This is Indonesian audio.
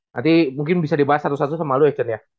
nanti mungkin bisa dibahas satu satu sama lu ya cet ya